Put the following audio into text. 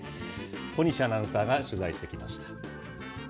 小西アナウンサーが取材してきま